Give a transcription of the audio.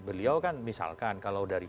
beliau kan misalkan kalau dari